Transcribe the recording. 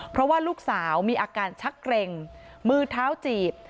เพราะว่าลูกสาวมีอาการชักเกร็งมือเท้าจีบ